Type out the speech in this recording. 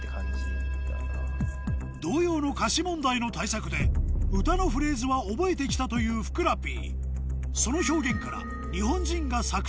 童謡の歌詞問題の対策で歌のフレーズは覚えてきたというふくらＰ